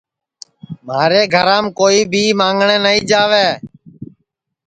مھارے گھرام کوئی بھی مانگٹؔیں نائی جاوے